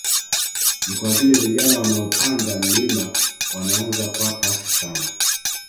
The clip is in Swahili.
Ni kwa vile vijana wanaopanda mlima wanaanza kwa kasi sana